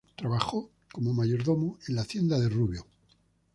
Trabajó como mayordomo en la Hacienda de Rubio.